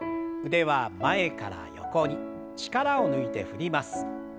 腕は前から横に力を抜いて振ります。